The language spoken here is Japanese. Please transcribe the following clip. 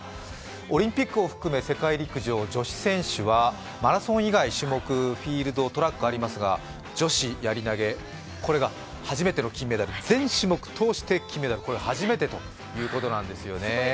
オリンピックを含め世界陸上女子選手はマラソン以外でフィールド、トラックとありますが女子やり投げ、これが初めての金メダル、全種目通して金メダル初めてということです。